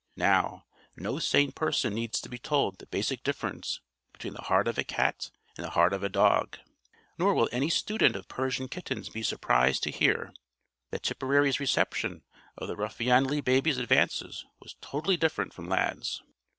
Now, no sane person needs to be told the basic difference between the heart of a cat and the heart of a dog. Nor will any student of Persian kittens be surprised to hear that Tipperary's reception of the ruffianly baby's advances was totally different from Lad's.